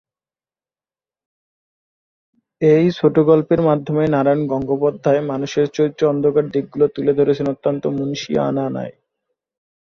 এই ছোটগল্পের মাধ্যমে নারায়ণ গঙ্গোপাধ্যায় মানুষের চরিত্রের অন্ধকার দিকগুলো তুলে ধরেছেন অত্যন্ত মুনশিয়ানায়।